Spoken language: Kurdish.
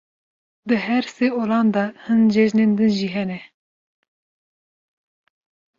Di her sê olan de hin cejnên din jî hene.